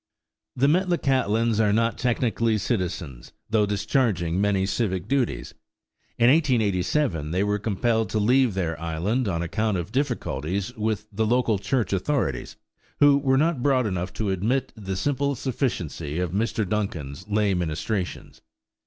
The Metlakatlans are not technically citizens, though discharging many civic duties. In 1887 they were compelled to leave their island on account of difficulties with the local church authorities, who were not broad enough to admit the simple sufficiency of Mr. Duncan's lay ministrations.